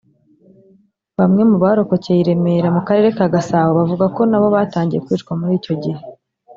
Bamwe mu barokokeye i Remera mu Karere ka Gasabo bavuga ko nabo batangiye kwicwa muri icyo gihe